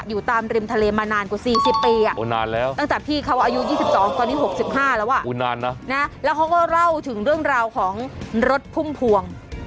อยู่ตามริมทะเลมานานกว่า๔๐ปีนานแล้วตั้งแต่พี่เขาอายุ๒๒ตอนนี้๖๕แล้วเขาก็เล่าถึงเรื่องราวของรถพุ่มพวง